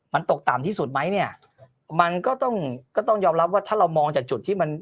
มันตกต่ำที่สุดไหมเนี่ยมันก็ต้องก็ต้องยอมรับว่าถ้าเรามองจากจุดที่มัน